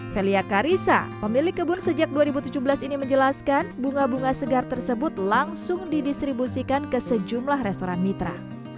velia karisa pemilik kebun sejak dua ribu tujuh belas ini menjelaskan bunga bunga segar tersebut langsung didistribusikan ke sejumlah restoran mitra